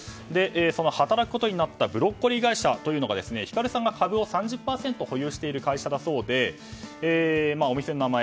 その働くことになったブロッコリー会社はヒカルさんが株を３０％保有している会社だそうでお店の名前